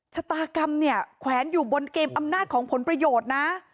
ชะตากรรมเนี่ยแขวนอยู่บนเกมอำนาจของผลประโยชน์นะ